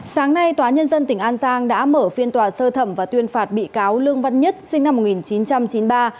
sáng nay tòa nhân dân tỉnh an giang đã mở phiên tòa sơ thẩm và tuyên phạt bị cáo lương văn nhất sinh năm một nghìn chín trăm chín mươi ba